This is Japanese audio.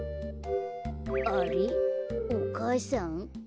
あれっお母さん？